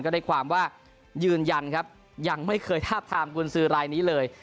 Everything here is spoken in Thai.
ได้ความว่ายืนยันครับยังไม่เคยทาบทามกุญสือรายนี้เลย